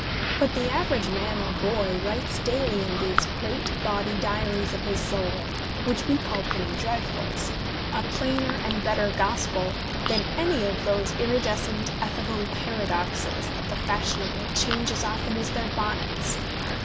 But the average man or boy writes daily in these great gaudy diaries of his soul, which we call Penny Dreadfuls, a plainer and better gospel than any of those iridescent ethical paradoxes that the fashionable change as often as their bonnets.